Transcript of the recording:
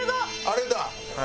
あれだ！